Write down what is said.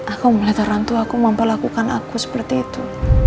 aku mau melihat orang tua aku mau melakukan aku seperti itu